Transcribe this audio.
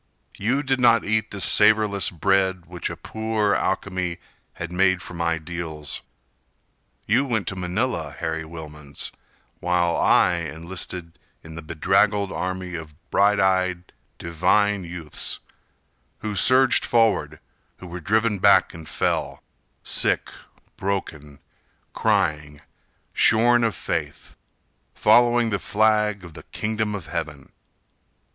You did not eat the savorless bread Which a poor alchemy had made from ideals. You went to Manila, Harry Wilmans, While I enlisted in the bedraggled army Of bright eyed, divine youths, Who surged forward, who were driven back and fell Sick, broken, crying, shorn of faith, Following the flag of the Kingdom of Heaven.